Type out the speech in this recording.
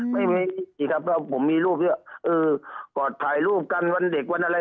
ไม่มีผมมีรูปด้วยก่อนถ่ายรูปกันวันเด็กวันอะไร